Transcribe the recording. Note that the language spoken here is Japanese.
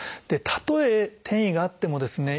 たとえ転移があってもですね